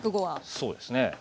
そうですね。